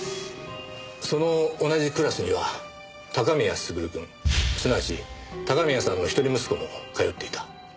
その同じクラスには高宮優くんすなわち高宮さんの一人息子も通っていた。